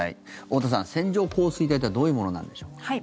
太田さん、線状降水帯というのはどういうものなんでしょうか？